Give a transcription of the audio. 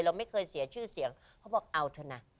เราไม่เคยเสียชื่อเสียงเขาบอกเอาเถอะนะ